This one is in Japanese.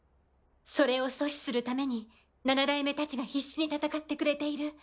それを阻止するために七代目たちが必死に戦ってくれている。